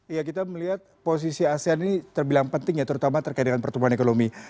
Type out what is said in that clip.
ya kita melihat posisi asean ini terbilang penting ya terutama terkait dengan pertumbuhan ekonomi